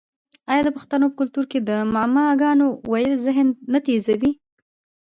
آیا د پښتنو په کلتور کې د معما ګانو ویل ذهن نه تیزوي؟